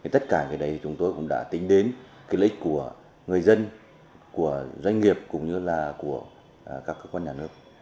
tất cả cái đấy chúng tôi cũng đã tính đến lợi ích của người dân doanh nghiệp cũng như các cơ quan nhà nước